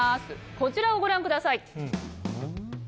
こちらをご覧ください。